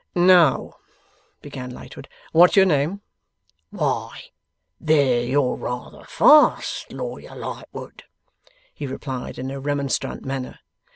'Now,' began Lightwood, 'what's your name?' 'Why, there you're rather fast, Lawyer Lightwood,' he replied, in a remonstrant manner.